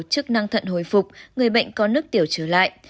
chức năng thận hồi phục người bệnh có nước tiểu trở lại